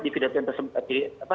di video yang tersebut apa